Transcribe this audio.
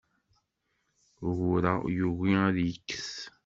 Ugur-a yugi ad yekkes.